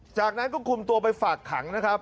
จากนั้นก็คุมตัวไปฝากขังนะครับ